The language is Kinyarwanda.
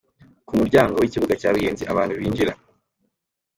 Ku muryango w'ikibuga cya Ruyenzi abantu binjira.